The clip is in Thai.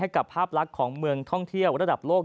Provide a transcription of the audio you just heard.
กับภาพลักษณ์ของเมืองท่องเที่ยวระดับโลก